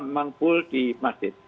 memang pul di masjid